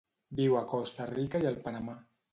Viu a Costa Rica i el Panamà.